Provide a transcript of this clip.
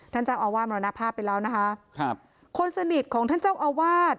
ท่านเจ้าอาวาสมรณภาพไปแล้วนะคะครับคนสนิทของท่านเจ้าอาวาส